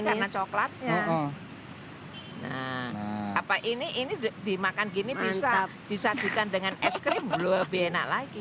karena coklatnya nah apa ini ini dimakan gini bisa disajikan dengan es krim lebih enak lagi